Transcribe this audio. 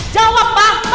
jawab pak papa pilih siapa